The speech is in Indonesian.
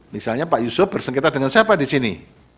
misalnya pak yusuf bersengketa dengan siapa disini